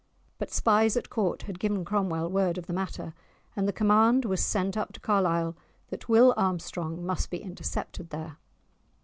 But spies at Court had given Cromwell word of the matter, and the command was sent up to Carlisle that Will Armstrong must be intercepted there.